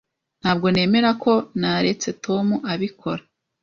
Ntabwo nemera ko naretse Tom abikora.